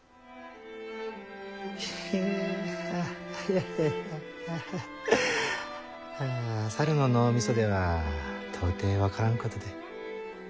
ヘヘハハいやいやあ猿の脳みそでは到底分からんことで。